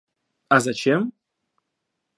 А зачем?